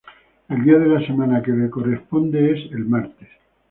El día de la semana que le corresponde, el martes.